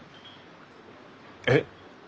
えっ！？